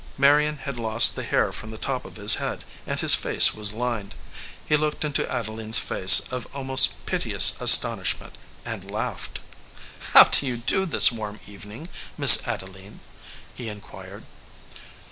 Marion had lost the hair from the top of his head and his face was lined. He looked into Adeline s face of almost piteous astonishment, and laughed. "How do you do this warm evening, Miss Ade line?" he inquired.